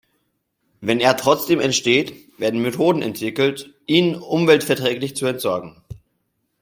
Wenn er trotzdem entsteht, werden Methoden entwickelt, ihn umweltverträglich zu entsorgen.